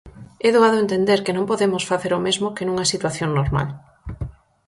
É doado entender que non podemos facer o mesmo que nunha situación normal.